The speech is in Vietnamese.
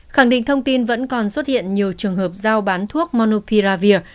khẳng định thông tin vẫn còn xuất hiện nhiều trường hợp giao bán thuốc monopiravir